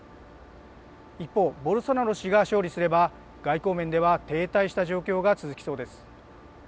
一方、ボルソナロ氏が勝利すれば、外交面では停滞した状況が続きそうです。